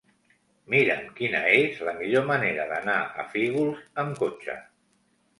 Mira'm quina és la millor manera d'anar a Fígols amb cotxe.